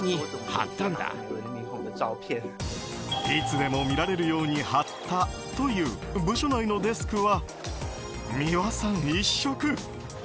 いつでも見られるように貼ったという部署内のデスクは三輪さん一色。